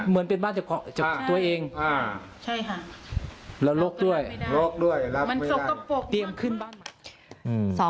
เหมือนเป็นบ้านตัวเองใช่ค่ะรับไม่ได้มันสกปรกมาก